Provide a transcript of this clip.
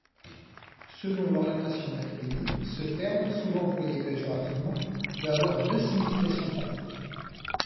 Selon l'orientation de l'Académie, ce terme souvent employé péjorativement peut avoir deux significations pratiques.